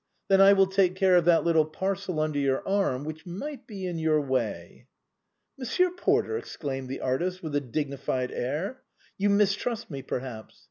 Then I will take care of that little parcel under your arm, which might be in your way." " Monsieur Porter," exclaimed the artist, with a dig nified air, " you mistrust me, perhaps